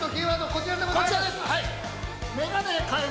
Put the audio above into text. ◆こちらです、はい。